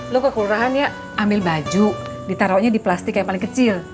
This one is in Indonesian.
lo ke kelurahan ya ambil baju ditaruhnya di plastik yang paling kecil